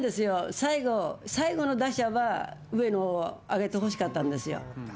最後、最後の打者は、上野あげてほしかったんですよ。